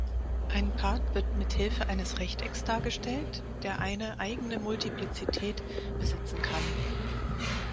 Ein Part wird mithilfe eines Rechtecks dargestellt, der eine eigene Multiplizität besitzen kann.